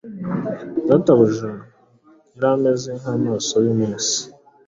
Databuja yari ameze nkamaso yumunsi